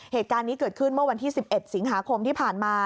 เหตุการณ์นี้เกิดขึ้นเมื่อวันที่๑๑สิงหาคมที่ผ่านมา